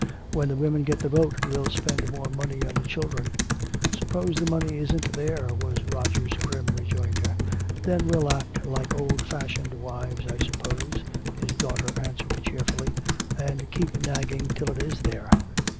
"When the women get the vote, we'll spend more money on the children." "Suppose the money isn't there," was Roger's grim rejoinder. "Then we'll act like old fashioned wives, I suppose," his daughter answered cheerfully, "and keep nagging till it is there.